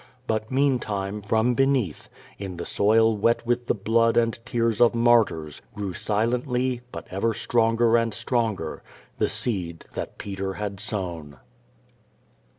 But meantime, from beneath, in the soil wet with the blood and tears of martyrs, grew silently, but ever stronger and stronger, the seed that Peter had sown.